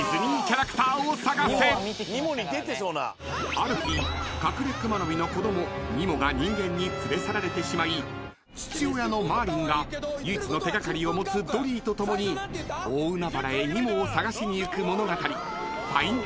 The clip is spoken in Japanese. ［ある日カクレクマノミの子供ニモが人間に連れ去られてしまい父親のマーリンが唯一の手がかりを持つドリーとともに大海原へニモをさがしに行く物語］